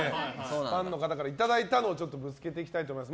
ファンの方からいただいたのを見つけていきたいと思います。